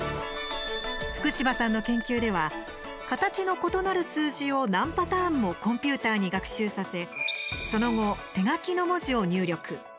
福島さんの研究では形の異なる数字を、何パターンもコンピュータに学習させその後、手書きの文字を入力。